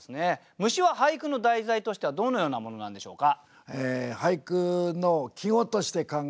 「虫」は俳句の題材としてはどのようなものなんでしょうか？